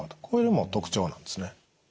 これでもう特徴なんですね。